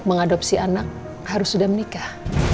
mengadopsi anak harus sudah menikah